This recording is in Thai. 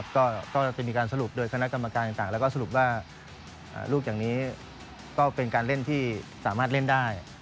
ก็จะมีการสรุปโดยคณะกรรมการต่างแล้วก็สรุปว่ารูปอย่างนี้ก็เป็นการเล่นที่สามารถเล่นได้